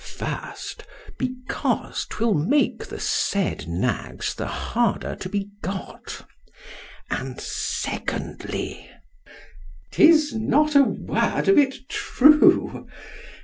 First, Because 'twill make the said nags the harder to be got; and Secondly, 'Tis not a word of it true.